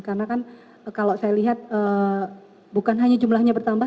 karena kan kalau saya lihat bukan hanya jumlahnya bertambah